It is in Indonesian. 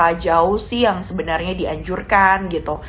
seberapa jauh sih yang sebenarnya dianjurkan gitu